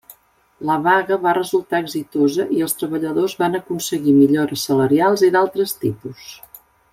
La vaga va resultar exitosa i els treballadors van aconseguir millores salarials i d'altre tipus.